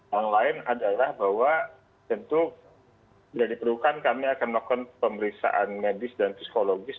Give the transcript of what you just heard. yang lain adalah bahwa tentu tidak diperlukan kami akan melakukan pemeriksaan medis dan psikologis